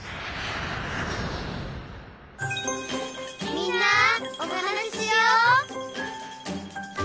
「みんなおはなししよう」